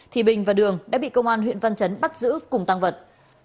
thì bình và đường đã bị công an huyện văn chấn bắt giữ cùng tăng vật